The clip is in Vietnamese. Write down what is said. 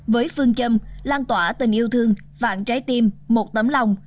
với phương châm lan tỏa tình yêu thương vạn trái tim một tấm lòng